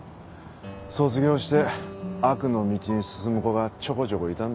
卒業して悪の道に進む子がちょこちょこいたんですよ。